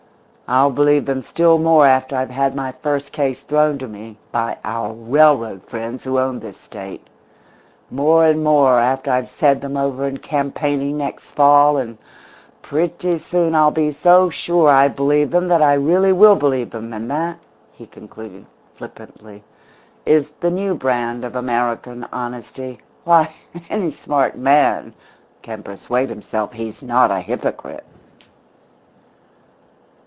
I'll believe them still more after I've had my first case thrown to me by our railroad friends who own this State. More and more after I've said them over in campaigning next fall, and pretty soon I'll be so sure I believe them that I really will believe them and that," he concluded, flippantly, "is the new brand of American honesty. Why, any smart man can persuade himself he's not a hypocrite!"